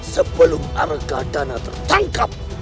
sebelum arga dana tertangkap